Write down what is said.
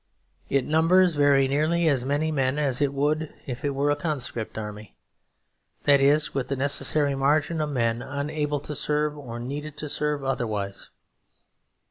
It numbers very nearly as many men as it would if it were a conscript army; that is with the necessary margin of men unable to serve or needed to serve otherwise.